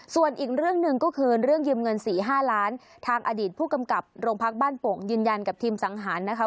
ส่วนอีกเรื่องหนึ่งก็คือเรื่องยืมเงินสี่ห้าล้านทางอดีตผู้กำกับโรงพักบ้านโป่งยืนยันกับทีมสังหารนะคะ